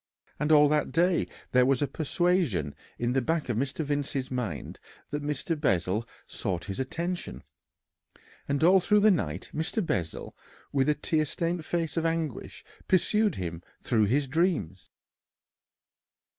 And all that day there was a persuasion in the back of Mr. Vincey's mind that Mr. Bessel sought his attention, and all through the night Mr. Bessel with a tear stained face of anguish pursued him through his dreams.